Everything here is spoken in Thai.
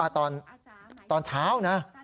ตอนเช้านะ